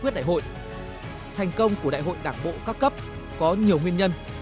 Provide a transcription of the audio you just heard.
thành công của đại hội đảng bộ các cấp có nhiều nguyên nhân